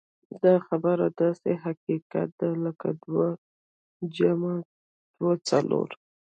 دا خبره داسې حقيقت دی لکه دوه جمع دوه څلور.